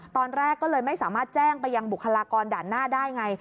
ตอนแรกก็เลยไม่สามารถแจ้งไปยังบุคลากรด่านหน้าได้ไง